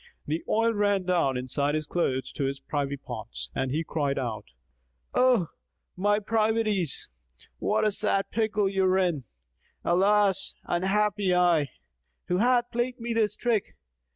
The oil ran down inside his clothes to his privy parts and he cried out, "O my privities! What a sad pickle you are in! Alas, unhappy I! Who hath played me this trick?"